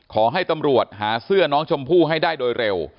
ขอให้ตำรวจหาเสื้อน้องชมพู่ให้ได้โดยเร็ว